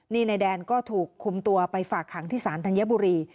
นี่นายแดนก็ถูกคุมตัวไปฝากขังที่ศาลธัญบุรี